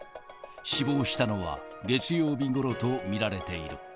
死亡したのは月曜日ごろと見られている。